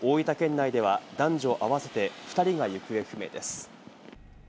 内では男女あわせて２人が行方不明です。